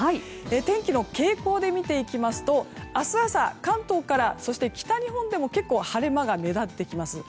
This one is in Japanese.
天気の傾向で見ていきますと明日朝、関東からそして北日本でも結構、晴れ間が目立ってきます。